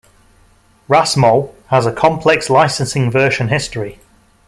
RasMol has a complex licensing version history.